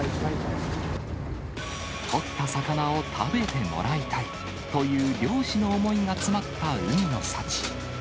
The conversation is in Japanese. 取った魚を食べてもらいたいという漁師の思いが詰まった海の幸。